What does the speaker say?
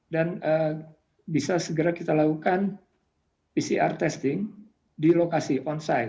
dan bisa segera kita lakukan pcr testing di lokasi on site